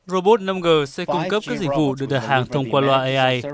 robot năm g sẽ cung cấp các dịch vụ được đặt hàng thông qua loại ai